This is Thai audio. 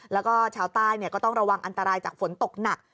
แล้วก็ชาวใต้ก็ต้องระวังอันตรายจากฝนตกหนัก